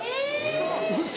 ウソ！